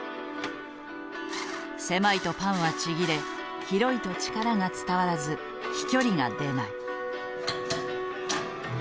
狭いとパンはちぎれ広いと力が伝わらず飛距離が出ない。